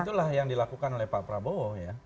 itulah yang dilakukan oleh pak prabowo ya